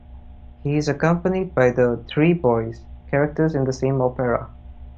He is accompanied by the Three Boys, characters in the same opera.